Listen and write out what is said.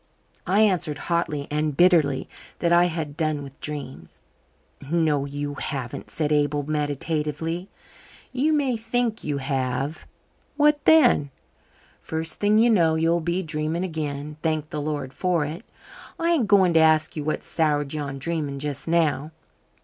I answered hotly and bitterly that I had done with dreams. "No, you haven't," said Abel meditatively. "You may think you have. What then? First thing you know you'll be dreaming again thank the Lord for it. I ain't going to ask you what's soured you on dreaming just now.